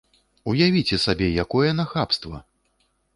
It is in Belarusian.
Уявіце сабе, якое нахабства!